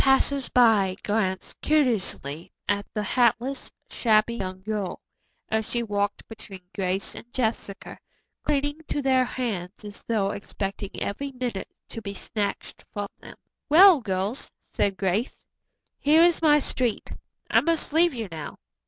Passersby glanced curiously at the hatless, shabby young girl, as she walked between Grace and Jessica, clinging to their hands as though expecting every minute to be snatched from them. "Well, girls," said Grace, "here is my street. I must leave you now.